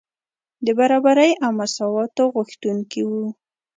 د برابرۍ او مساواتو غوښتونکي وو.